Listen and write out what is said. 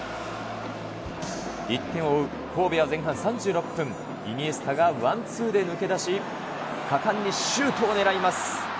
１点を追う神戸は前半３６分、イニエスタがワンツーで抜け出し、果敢にシュートを狙います。